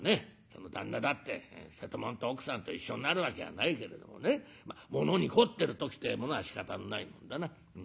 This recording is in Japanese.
その旦那だって瀬戸物と奥さんと一緒になるわけがないけれどもねものに凝ってる時ってえものはしかたのないもんだな。